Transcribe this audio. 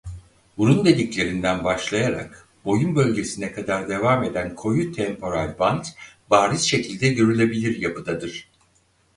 Burun deliklerinden başlayarak boyun bölgesine kadar devam eden koyu temporal bant bariz şekilde görülebilir yapıdadır.